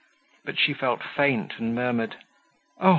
But she felt faint and murmured: "Oh!